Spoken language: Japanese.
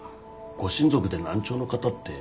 ご親族で難聴の方って。